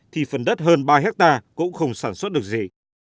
thì phần đất hơn ba hectare cũng không sản xuất được gì